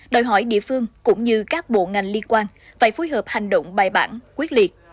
đòi hỏi địa phương cũng như các bộ ngành liên quan phải phối hợp hành động bài bản quyết liệt